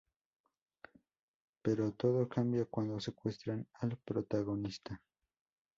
Pero todo cambia cuando secuestran al protagonista.